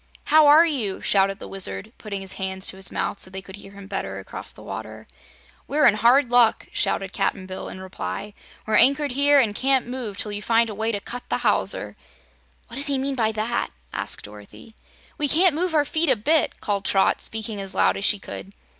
"How are you?" shouted the Wizard, putting his hands to his mouth so they could hear him better across the water. "We're in hard luck," shouted Cap'n Bill, in reply. "We're anchored here and can't move till you find a way to cut the hawser." "What does he mean by that?" asked Dorothy. "We can't move our feet a bit!" called Trot, speaking as loud as she could.